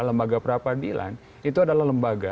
lembaga peradilan itu adalah lembaga